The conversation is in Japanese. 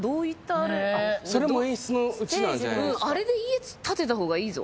あれで家建てた方がいいぞ。